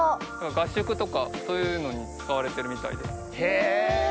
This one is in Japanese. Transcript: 合宿とかそういうのに使われてるみたいです。